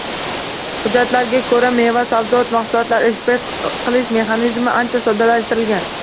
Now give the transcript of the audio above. Hujjatga ko‘ra, meva-sabzavot mahsulotlarini eksport qilish mexanizmi ancha soddalashtirilgan.